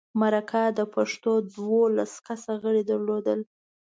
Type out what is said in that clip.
مرکه د پښتو دولس کسه غړي درلودل.